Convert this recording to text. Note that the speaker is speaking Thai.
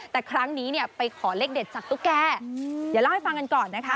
แต่ครั้งนี้เนี่ยไปขอเลขเด็ดจากตุ๊กแกเดี๋ยวเล่าให้ฟังกันก่อนนะคะ